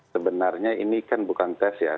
sebenarnya ini kan bukan tes ya